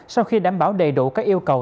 sau khi đảm bảo đầy đủ các yêu cầu